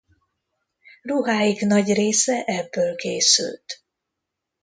Ruháik nagy része ebből készült.